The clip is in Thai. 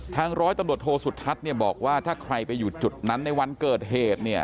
ร้อยตำรวจโทสุทัศน์เนี่ยบอกว่าถ้าใครไปอยู่จุดนั้นในวันเกิดเหตุเนี่ย